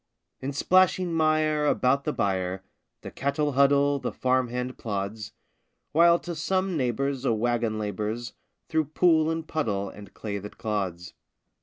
In splashing mire about the byre The cattle huddle, the farm hand plods; While to some neighbor's a wagon labors Through pool and puddle and clay that clods.